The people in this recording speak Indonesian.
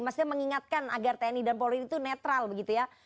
maksudnya mengingatkan agar tni dan polri itu netral begitu ya